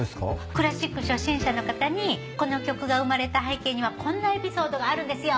クラシック初心者の方にこの曲が生まれた背景にはこんなエピソードがあるんですよ！